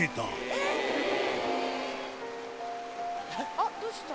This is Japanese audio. あっどうした？